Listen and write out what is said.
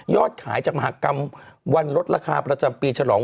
ยอดขายจากมหากรรมวันลดราคาราจัมส์ปีฉลอง